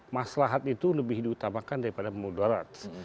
maslahat itu lebih diutamakan daripada mudarat